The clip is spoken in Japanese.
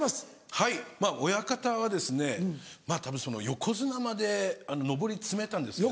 はい親方がですねたぶん横綱まで上り詰めたんですけど。